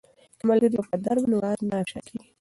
که ملګری وفادار وي نو راز نه افشا کیږي.